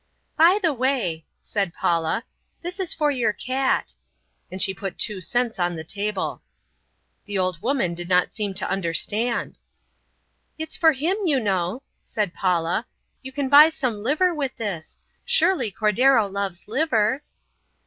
"By the way," said Paula, "this is for your cat" and she put two cents on the table. The old woman did not seem to understand. "It's for him, you know," said Paula, "you can buy some liver with this. Surely Cordero likes liver!"